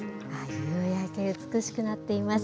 夕焼け、美しくなっています。